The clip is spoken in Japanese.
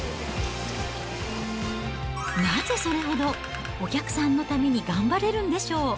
なぜそれほど、お客さんのために頑張れるんでしょう。